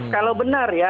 kalau benar ya